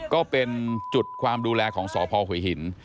ก็เป็นจุดความดูแลของสพหัวหิน